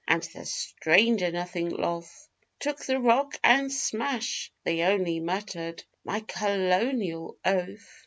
and the stranger, nothing loth, Took the rock and smash! They only muttered 'My kerlonial oath!